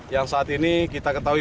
yang saat ini kita ketahui